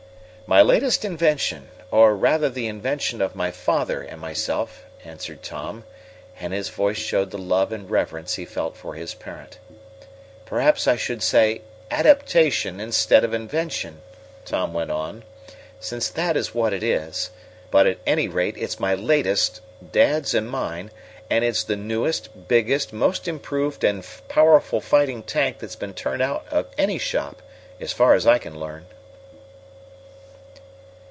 "My latest invention, or rather the invention of my father and myself," answered Tom, and his voice showed the love and reverence he felt for his parent. "Perhaps I should say adaptation instead of invention," Tom went on, "since that is what it is. But, at any rate, it's my latest dad's and mine and it's the newest, biggest, most improved and powerful fighting tank that's been turned out of any shop, as far as I can learn.